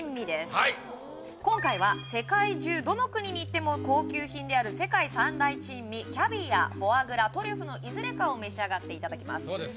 はい今回は世界中どの国に行っても高級品である世界三大珍味キャビアフォアグラトリュフのいずれかを召し上がっていただきますそうです